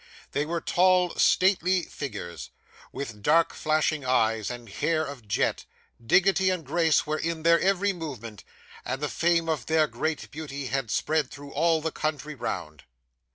They were tall stately figures, with dark flashing eyes and hair of jet; dignity and grace were in their every movement; and the fame of their great beauty had spread through all the country round.